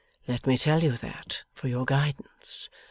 Let me tell you that, for your guidance.